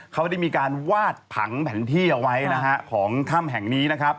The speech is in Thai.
เขาได้มีวาดผังแผ่นที่เอาไว้ที่ถ้ำแห่งนี้